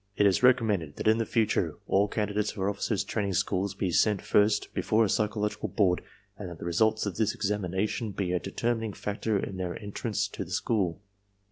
... It is recommended that in the future all candidates for Officers' Training School be sent first before a psycho logical board, and that the results of this examination be a determining factor in their entrance to the school."